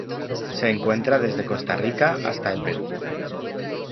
Se encuentra desde Costa Rica hasta el Perú.